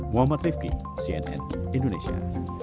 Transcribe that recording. muhammad rifqi cnn indonesia